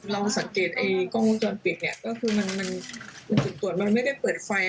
เราสังเกตไอ้กล้องวงจรปิดเนี่ยก็คือมันจุดตรวจมันไม่ได้เปิดไฟ